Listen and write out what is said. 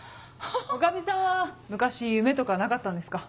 女将さんは昔夢とかなかったんですか？